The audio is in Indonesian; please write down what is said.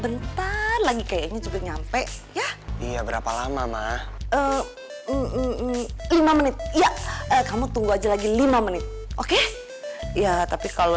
naik ya betapa lama lemmeech l nfl kamu tunggu lagi lima menit oke iya tapi kalau